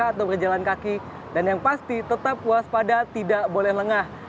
jangan lupa untuk berjalan kaki dan yang pasti tetap puas pada tidak boleh lengah